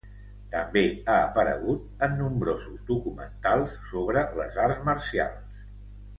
També ha aparegut en nombrosos documentals sobre les Arts Marcials.